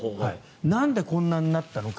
なんで、こんなになったのか。